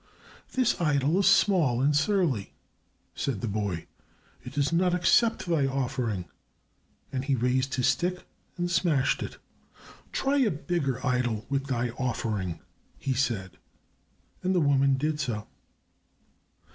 "This idol is small and surly," said the boy. "It does not accept thy offering," and he raised his stick and smashed it. "Try a bigger idol with thy offering," he said, and the woman did so.